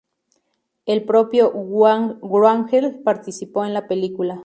El propio Wrangler participó en la película.